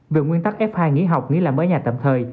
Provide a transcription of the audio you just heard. vì nguyên tắc f hai nghỉ học nghỉ làm ở nhà tậm thời